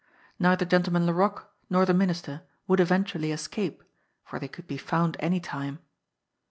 Neither Gentleman La roque nor the Minister would eventually escape, for they could be found anytime.